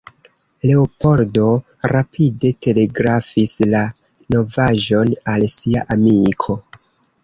Leopoldo rapide telegrafis la novaĵon al sia amiko.